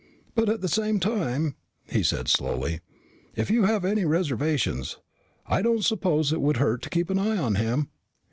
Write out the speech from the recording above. "But at the same time," he said slowly, "if you have any reservations, I don't suppose it would hurt to keep an eye on him."